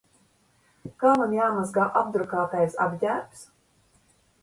Kā man jāmazgā apdrukātais apģērbs?